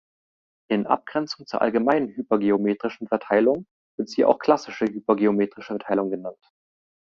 In Abgrenzung zur allgemeinen hypergeometrischen Verteilung wird sie auch klassische hypergeometrische Verteilung genannt.